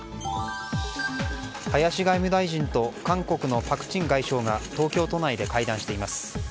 林外務大臣と韓国のパク・チン外相が東京都内で会談しています。